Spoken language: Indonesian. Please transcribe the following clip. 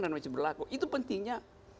dan masih berlaku itu pentingnya